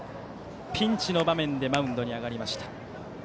ピンチの場面でマウンドに上がりました。